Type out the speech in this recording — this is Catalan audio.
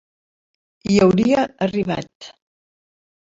Hi hauria arribat.